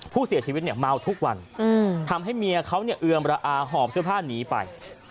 ผู้เสียชีวิตเนี่ยเมาทุกวันทำให้เมียเขาเนี่ยเอือมระอาหอบเสื้อผ้าหนีไป